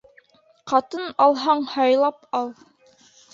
Ҡатын алһаң, һайлап ал